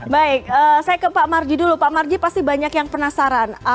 baik saya ke pak marji dulu pak marji pasti banyak yang penasaran